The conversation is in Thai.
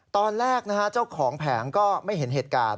ตอนแรกนะฮะเจ้าของแผงก็ไม่เห็นเหตุการณ์